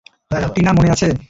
টিনা, মনে আছে?